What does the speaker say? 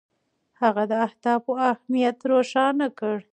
هغه د اهدافو اهمیت روښانه کړ.